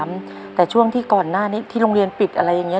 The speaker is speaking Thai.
แต่ช่วงที่ก่อนหน้านี้ที่โรงเรียนปิดอะไรอย่างนี้